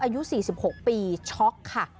อายุ๔๖ปีช็อกค่ะ